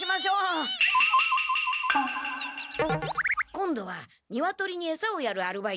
今度はニワトリにエサをやるアルバイトです。